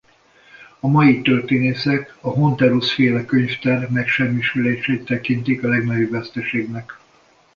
A mai történészek a Honterus-féle könyvtár megsemmisülését tekintik a legnagyobb veszteségnek.